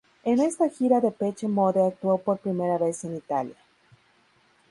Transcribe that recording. En esta gira Depeche Mode actuó por primera vez en Italia.